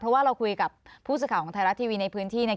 เพราะว่าเราคุยกับผู้สื่อข่าวของไทยรัฐทีวีในพื้นที่เนี่ย